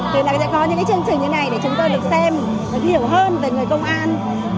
thì là sẽ có những chương trình như này để chúng tôi được xem hiểu hơn về người công an